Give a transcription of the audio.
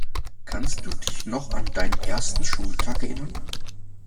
Kannst du dich noch an deinen ersten Schultag erinnern?